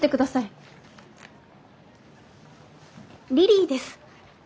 リリィです。